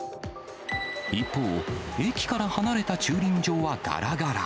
一方、駅から離れた駐輪場はがらがら。